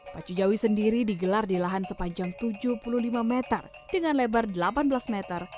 pacu jawi sendiri digelar di lahan sepanjang tujuh puluh lima meter dengan lebar delapan belas meter